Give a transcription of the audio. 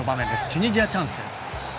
チュニジア、チャンス。